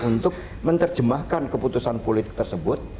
untuk menerjemahkan keputusan politik tersebut